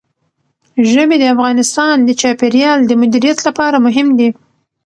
ژبې د افغانستان د چاپیریال د مدیریت لپاره مهم دي.